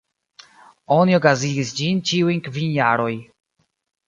Oni okazigis ĝin ĉiujn kvin jaroj.